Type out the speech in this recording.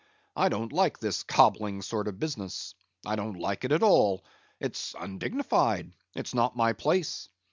I don't like this cobbling sort of business—I don't like it at all; it's undignified; it's not my place.